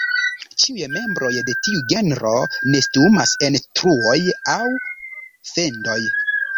Ĉiuj membroj de tiu genro nestumas en truoj aŭ fendoj.